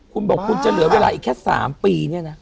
คุณบอกคุณจะเหลือเวลาอีกแค่๓ปีเนี่ยนะ